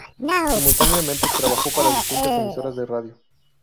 Simultáneamente trabajó para distintas emisoras de radio.